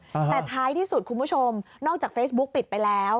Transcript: แต่ท้ายที่สุดคุณผู้ชมนอกจากเฟซบุ๊กปิดไปแล้ว